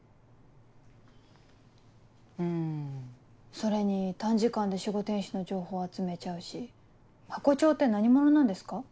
それに短時間で守護天使の情報集めちゃうしハコ長って何者なんですか？